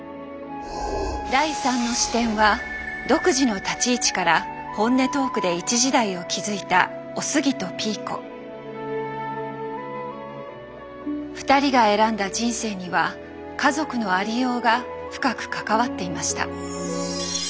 第３の視点は独自の立ち位置から本音トークで一時代を築いた二人が選んだ人生には家族のありようが深く関わっていました。